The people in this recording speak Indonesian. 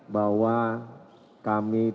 bahwa kami tidak